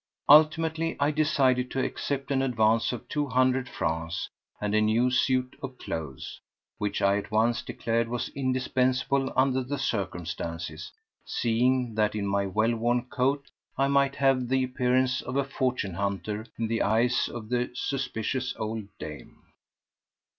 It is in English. Ultimately I decided to accept an advance of two hundred francs and a new suit of clothes, which I at once declared was indispensable under the circumstances, seeing that in my well worn coat I might have the appearance of a fortune hunter in the eyes of the suspicious old dame.